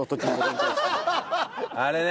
あれね。